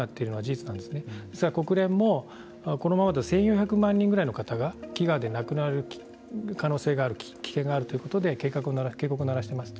実は国連もこのままだと１，４００万人ぐらいの方が飢餓で亡くなる可能性がある危険があるということで警告を鳴らしています。